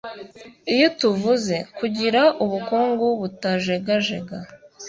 lyo tuvuze « kugira ubukungu butajegajega »